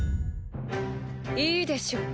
いいでしょう